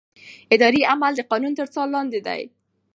اداري عمل د قانون تر څار لاندې دی.